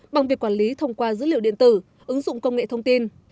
bằng việc quản lý thông qua dữ liệu điện tử ứng dụng công nghệ thông tin